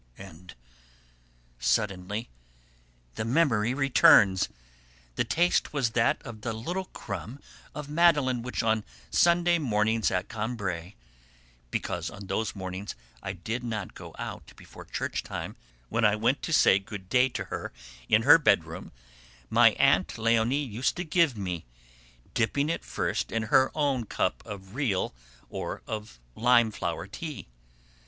And suddenly the memory returns. The taste was that of the little crumb of madeleine which on Sunday mornings at Combray (because on those mornings I did not go out before church time), when I went to say good day to her in her bedroom, my aunt Léonie used to give me, dipping it first in her own cup of real or of lime flower tea.